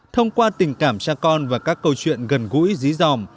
thông qua tình cảm cha con và các câu chuyện gần gũi dí dòm